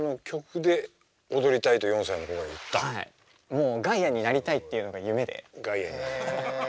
もうガイアになりたいっていうのが夢で。